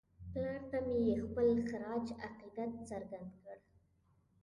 پلار ته مې یې خپل خراج عقیدت څرګند کړ.